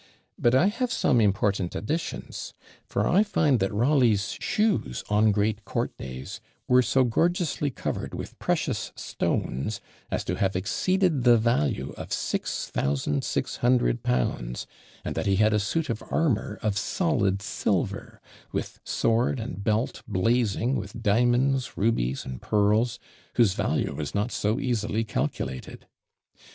But I have some important additions; for I find that Rawleigh's shoes on great court days were so gorgeously covered with precious stones, as to have exceeded the value of six thousand six hundred pounds: and that he had a suit of armour of solid silver, with sword and belt blazing with diamonds, rubies, and pearls, whose value was not so easily calculated.